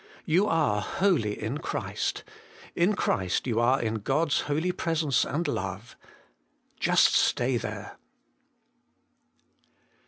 You are ' Holy in Christ ;' in Christ you are in God's Holy Presence and Love ; just stay there.